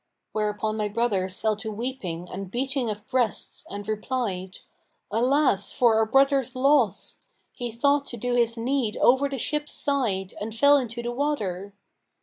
Whereupon my brothers fell to weeping and beating of breasts and replied, 'Alas, for our brother's loss! He thought to do his need over the ship's side[FN#532] and fell into the water!'